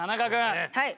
はい。